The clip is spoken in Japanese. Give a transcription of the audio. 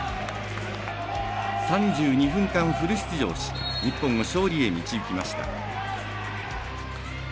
３２分間フル出場し日本を勝利へ導きました。